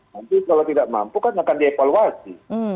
nanti kalau tidak mampu kan akan dievaluasi